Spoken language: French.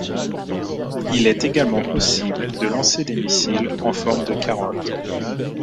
Il est également possible de lancer des missiles en forme de carotte.